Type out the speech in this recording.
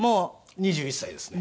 ２１歳ですね。